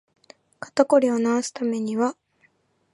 肩こりを治すためには